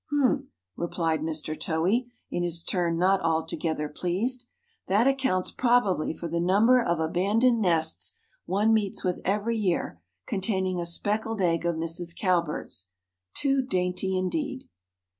"Hm!" replied Mr. Towhee, in his turn not altogether pleased, "that accounts probably for the number of abandoned nests one meets with every year, containing a speckled egg of Mrs. Cowbird's. Too dainty, indeed!"